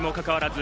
ず